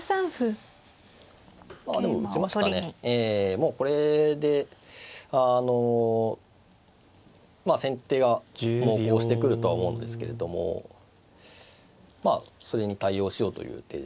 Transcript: もうこれで先手が猛攻してくるとは思うんですけれどもまあそれに対応しようという手で。